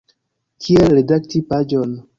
Kiel redakti paĝon.